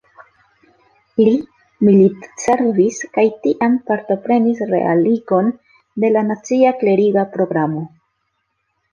Li militservis kaj tiam partoprenis realigon de la nacia kleriga programo.